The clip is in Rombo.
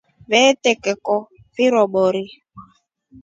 Veeteko vibobori.